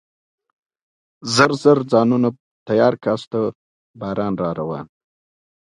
د حزب او حرکت د قومندانانو تر منځ اخ و ډب روان و.